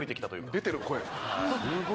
出てる声。